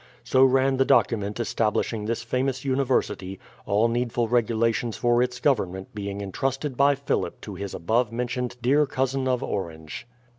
So ran the document establishing this famous university, all needful regulations for its government being intrusted by Philip to his above mentioned dear cousin of Orange.